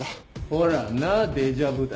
ほらなデジャブだ。